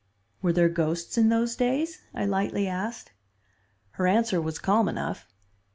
"Were there ghosts in those days?" I lightly asked. Her answer was calm enough.